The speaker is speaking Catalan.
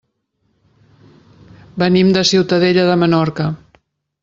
Venim de Ciutadella de Menorca.